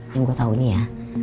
yang gue tau ini ya